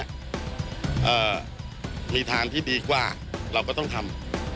ทางที่ดีกว่าเราก็ต้องทำ